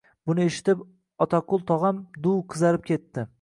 Buni eshitib, Otaqul tog‘am duv qizarib ketdi.